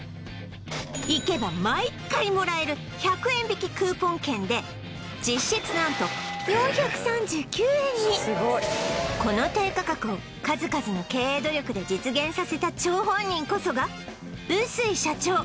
行けば毎回もらえる実質何と４３９円にこの低価格を数々の経営努力で実現させた張本人こそが臼井社長！